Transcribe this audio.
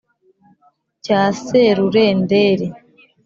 cya serurenderi